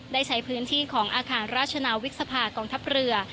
ได้ใช้พื้นที่ของอาคารราชนาวิกษภากองทัพเรือ